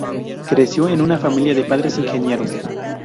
Creció en una familia de padres ingenieros.